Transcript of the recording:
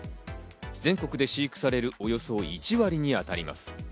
全国で飼育されるおよそ１割にあたります。